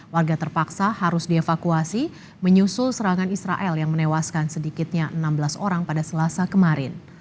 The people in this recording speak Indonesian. warga terpaksa harus dievakuasi menyusul serangan israel yang menewaskan sedikitnya enam belas orang pada selasa kemarin